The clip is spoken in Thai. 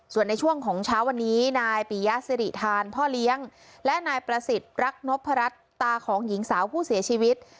ส่วนในช่วงของเช้าวันนี้นายปียะสิริธานพ่อเลี้ยงและนายประสิทธิ์รักนพรัชตาของหญิงสาวผู้เสียชีวิต